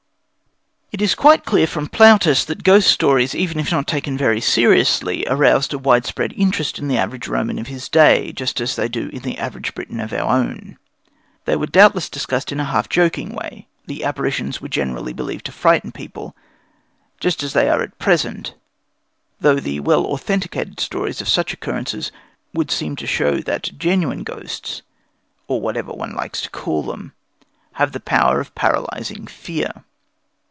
It is quite clear from Plautus that ghost stories, even if not taken very seriously, aroused a wide spread interest in the average Roman of his day, just as they do in the average Briton of our own. They were doubtless discussed in a half joking way. The apparitions were generally believed to frighten people, just as they are at present, though the well authenticated stories of such occurrences would seem to show that genuine ghosts, or whatever one likes to call them, have the power of paralyzing fear.